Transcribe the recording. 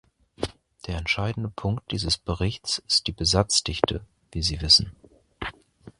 Der entscheidende Punkt dieses Berichts ist die Besatzdichte, wie Sie wissen.